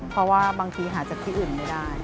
เพราะว่าบางทีหาจากที่อื่นไม่ได้